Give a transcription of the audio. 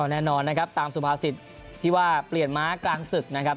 แน่นอนนะครับตามสุภาษิตที่ว่าเปลี่ยนม้ากลางศึกนะครับ